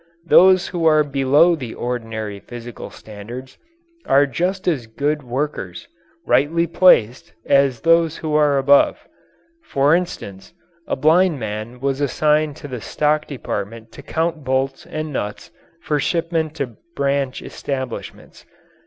Those who are below the ordinary physical standards are just as good workers, rightly placed, as those who are above. For instance, a blind man was assigned to the stock department to count bolts and nuts for shipment to branch establishments.